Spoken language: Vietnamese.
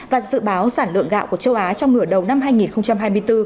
và dự báo sản lượng gạo của châu á trong nửa đầu năm hai nghìn hai mươi bốn